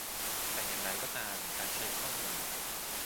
แต่อย่างไรก็ตามการใช้ข้อมูล